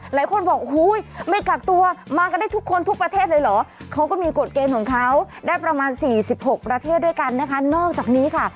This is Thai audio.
หลายคนบอกมันกักตัวมากั้นทุกคนทุกประเทศเลยเหรอเขาก็มีกดเกมของเขาได้ประมาณ๔๖ประเทศด้วยกันนอกจากนี้ค่ะ